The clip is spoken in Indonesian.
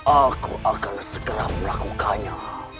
aku akan segera melakukannya